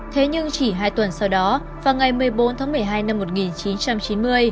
thế nhưng chỉ hai tuần sau đó vào ngày một mươi bốn tháng một mươi hai năm một nghìn chín trăm chín mươi